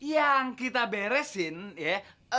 yang kita beresin ya